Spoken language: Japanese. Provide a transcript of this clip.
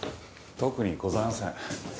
特にございません。